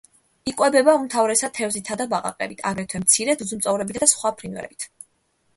იკვებება უმთავრესად თევზითა და ბაყაყებით, აგრეთვე მცირე ძუძუმწოვრებითა და სხვა ფრინველებით.